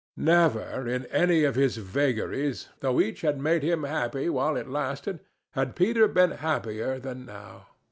Never, in any of his vagaries, though each had made him happy while it lasted, had Peter been happier than now.